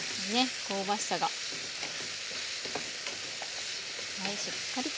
香ばしさがはいしっかりと。